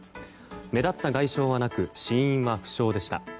目立った外傷はなく死因は不詳でした。